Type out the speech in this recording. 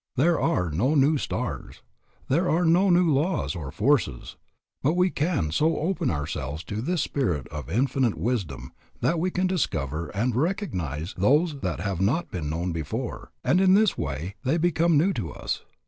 There are no new stars, there are no new laws or forces, but we can so open ourselves to this Spirit of Infinite Wisdom that we can discover and recognize those that have not been known before; and in this way they become new to us.